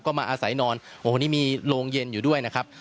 ก็มาอาศัยนอนโอ้โหนี่มีโรงเย็นอยู่ด้วยนะครับ